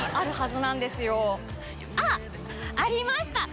あっ！ありました。